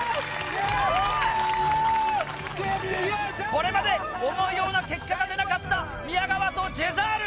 これまで思うような結果が出なかった宮川とジェザール！